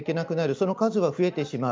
その数は増えてしまう。